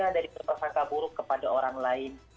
dan mulai berprosangka buruk kepada orang lain